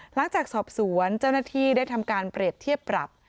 หลังจากสอบสวนเจ้าหน้าที่ได้ทำการเปรียบเทียบปรับ